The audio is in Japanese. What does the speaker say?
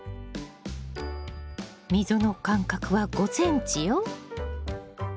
溝の間隔は５ｃｍよ。